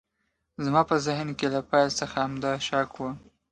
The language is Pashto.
زما په ذهن کې له پیل څخه همدا شک و